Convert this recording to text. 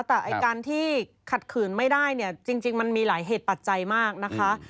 แต่ไอ้การที่ขัดขืนไม่ได้เนี่ยจริงมันมีหลายเหตุปัจจัยมากนะคะ